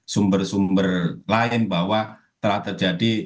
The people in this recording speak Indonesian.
sumber sumber lain bahwa telah terjadi